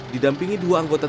tidak pernah sakit